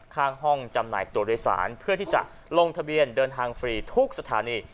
ข้างห้องจำหน่ายตัวโดยสารเพื่อที่จะลงทะเบียนเดินทางฟรีทุกสถานี